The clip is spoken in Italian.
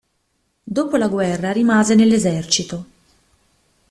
Dopo la guerra rimase nell'esercito.